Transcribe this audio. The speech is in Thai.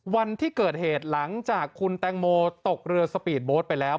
วันที่เกิดเหตุหลังจากคุณแตงโมตกเรือสปีดโบ๊ทไปแล้ว